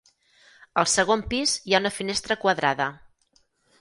Al segon pis hi ha una finestra quadrada.